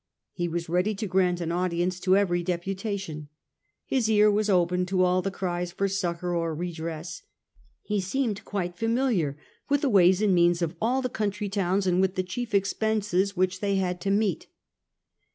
He was ready to grant an audience to every deputation ; his ear was open to all the cries for succour or redress ; he seemed quite familiar with the ways and means of all the country towns, and with the chief expenses which they had to meet.